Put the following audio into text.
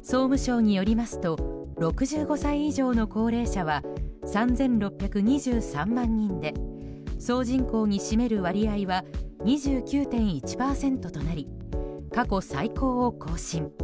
総務省によりますと６５歳以上の高齢者は３６２３万人で総人口に占める割合は２９．１％となり過去最高を更新。